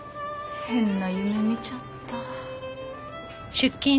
変な夢見ちゃった。